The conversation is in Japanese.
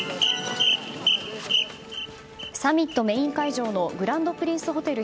サミットメイン会場のグランドプリンスホテル